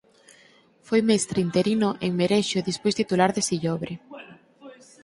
Foi mestre interino en Merexo e despois titular de Sillobre.